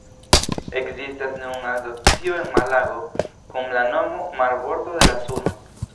Ekzistas nun asocio en Malago, kun la nomo «Marbordo de la Suno».